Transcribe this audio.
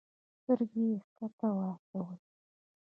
سترګي یې کښته واچولې !